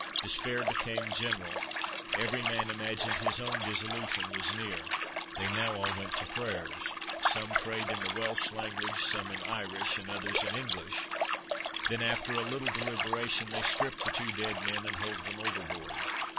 Despair became general; every man imagined his own dissolution was near. They all now went to prayers; some prayed in the Welch language, some in Irish, and others in English; then, after a little deliberation, they stripped the two dead men, and hove them overboard.